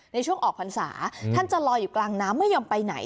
ในช่วงออกพรรษาท่านจะลอยอยู่กลางน้ำไม่ยอมไปไหน